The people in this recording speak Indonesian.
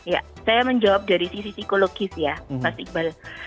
ya saya menjawab dari sisi psikologis ya mas iqbal